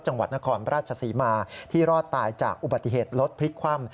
จังหวัดนครราชศรีมาที่รอดตายจากอุบัติเหตุรถพลิกคว่ำ